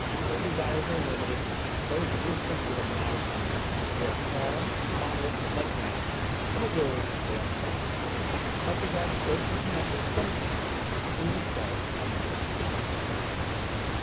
Their desires are limited, their existence is a modest one; they are calm, moderate, phlegmatic—in a word, they are Flemings; such as are still to be met with sometimes between the Scheldt and the North Sea.